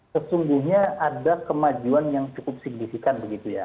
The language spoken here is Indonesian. sesungguhnya ada kemajuan yang cukup signifikan begitu ya